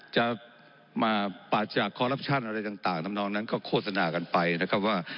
จะมาปราศจากคอลลับชั่นอะไรต่างทำนองนั้นก็โฆษณากันไปนะครับว่า